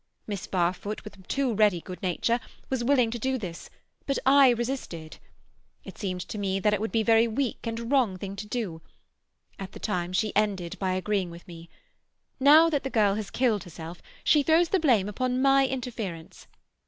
Miss Barfoot, with too ready good nature, was willing to do this, but I resisted. It seemed to me that it would be a very weak and wrong thing to do. At the time she ended by agreeing with me. Now that the girl has killed herself, she throws the blame upon my interference.